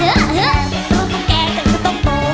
ต่อมาจนแกบึงรู้ตุ๊กแกก็คือตุ๊กโต